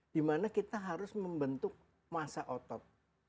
dimana kita harus membentuk masa otot